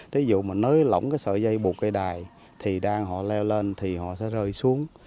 ví dụ mà nới lỏng cái sợi dây buộc cây đài thì đang họ leo lên thì họ sẽ rơi xuống